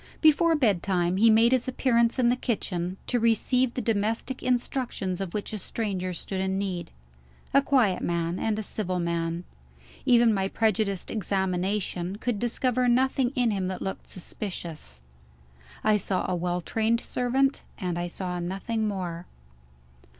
Before bedtime, he made his appearance in the kitchen, to receive the domestic instructions of which a stranger stood in need. A quiet man and a civil man: even my prejudiced examination could discover nothing in him that looked suspicious. I saw a well trained servant and I saw nothing more.